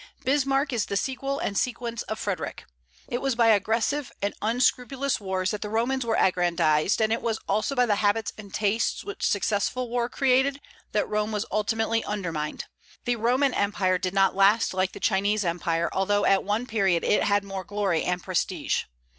Bismarck is the sequel and sequence of Frederic. It was by aggressive and unscrupulous wars that the Romans were aggrandized, and it was also by the habits and tastes which successful war created that Rome was ultimately undermined. The Roman empire did not last like the Chinese empire, although at one period it had more glory and prestige.